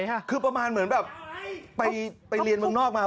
ก็เหมือนเป้าหมายเค้าเรียนเมืองนอกมา